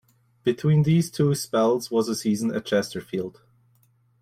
Between these two spells was a season at Chesterfield.